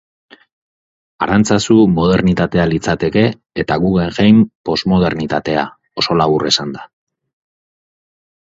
Arantzazu modernitatea litzateke, eta Guggenheim, posmodernitatea, oso labur esanda.